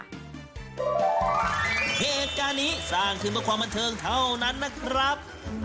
เหตุการณ์นี้สร้างขึ้นมาความบันเทิงเท่านั้นนะครับ